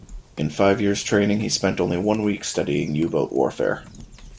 In five years' training he spent only one week studying U-boat warfare.